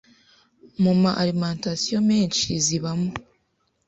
mu ma alimentation menshi zibamo,